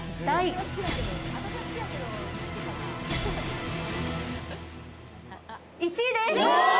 第１位です！